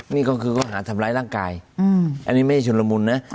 นี่ก็คือเขาหาทำร้ายร่างกายอืมอันนี้ไม่ใช่ชุดละมุนนะอ่า